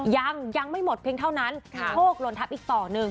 ยังยังไม่หมดเพียงเท่านั้นโชคลนทับอีกต่อหนึ่ง